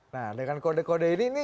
nah dengan kode kode ini